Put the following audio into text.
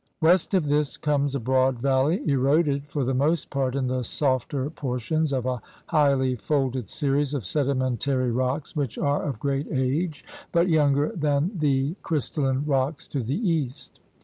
West of this comes a broad valley eroded for the most part in the softer por tions of a highly folded series of sedimentary rocks which are of great age but younger than the 60 THE RED MAN'S CONTINENT crystalline rocks to the east.